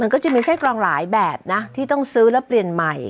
ก็จะมีไส้กรองหลายแบบนะที่ต้องซื้อแล้วเปลี่ยนใหม่